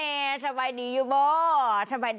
มาเถอะมาพึงเกี๊ยวจะเอาข้าวอีกนะ